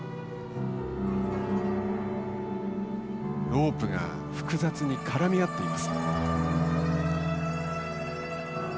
ロープが複雑に絡み合っています。